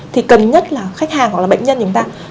thì cần nhất là khách hàng hoặc là bệnh nhân chúng ta